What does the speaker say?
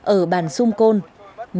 ở bàn phát điện của gia đình